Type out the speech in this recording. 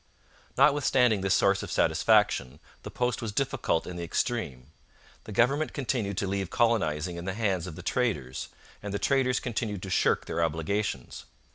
Notwithstanding this source of satisfaction, the post was difficult in the extreme. The government continued to leave colonizing in the hands of the traders, and the traders continued to shirk their obligations.